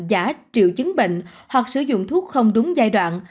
giả triệu chứng bệnh hoặc sử dụng thuốc không đúng giai đoạn